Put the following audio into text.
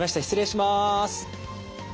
失礼します。